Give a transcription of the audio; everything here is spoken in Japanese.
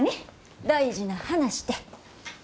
大事な話て。